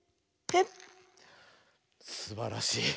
すばらしい。